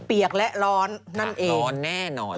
เปียกและร้อนนั่นเองร้อนแน่นอน